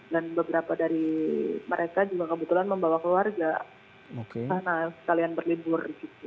dan beberapa dari mereka juga kebetulan membawa keluarga ke sana sekalian berlibur